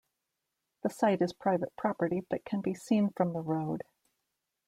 The site is private property but can be seen from the road.